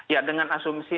ya dengan asumsi